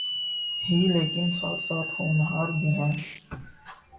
ہی لیکن ساتھ ساتھ ہونہار بھی ہیں۔